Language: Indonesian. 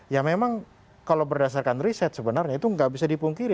ya memang kalau berdasarkan riset sebenarnya itu nggak bisa dipungkiri